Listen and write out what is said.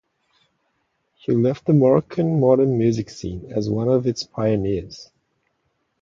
He left the Moroccan modern music scene as one of its pioneers.